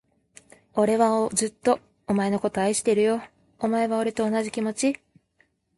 俺はずっと、お前のことを愛してるよ。お前は、俺と同じ気持ち？